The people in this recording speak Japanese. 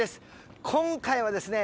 今回はですね